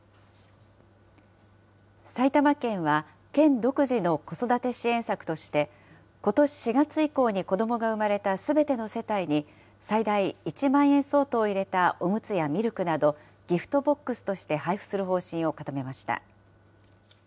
埼玉県は、県独自の子育て支援策として、ことし４月以降に子どもが生まれたすべての世帯に、最大１万円相当を入れたおむつやミルクなど、ギフトボックスとして配付する方針を固めました。